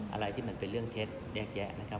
อะไรที่มันเป็นเรื่องเท็จแยกแยะนะครับ